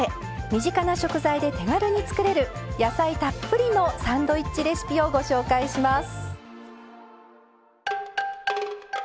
身近な食材で手軽に作れる野菜たっぷりのサンドイッチレシピをご紹介します